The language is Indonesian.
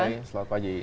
hai selamat pagi